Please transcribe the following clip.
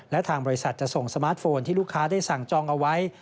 และทางบริษัทจะส่งสมาร์ทโฟนที่ลูกค้าได้สั่งจองเอาไว้